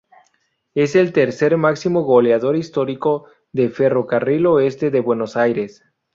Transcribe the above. Es el tercer máximo goleador histórico de Ferro Carril Oeste de Buenos Aires.